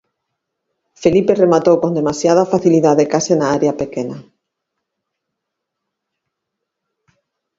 Felipe rematou con demasiada facilidade case na área pequena.